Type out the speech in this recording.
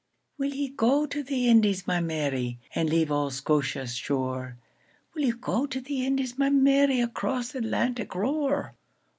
WILL ye go to the Indies, my Mary, And leave auld Scotia's shore? Will ye go to the Indies, my Mary, Across th' Atlantic roar?